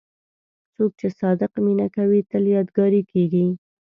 څوک چې صادق مینه کوي، تل یادګاري کېږي.